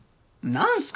何すか？